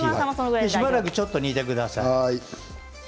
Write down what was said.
しばらくちょっと煮てください。